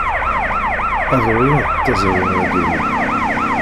Aḍu-ya d tazawwa ara d-yawi.